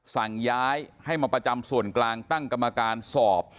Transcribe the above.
สั่งย้ายให้มาประจำส่วนกลางตั้งกรรมการสอบ